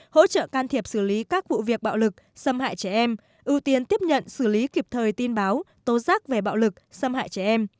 hỗ trợ can thiệp xử lý các vụ việc bạo lực xâm hại trẻ em ưu tiên tiếp nhận xử lý kịp thời tin báo tố giác về bạo lực xâm hại trẻ em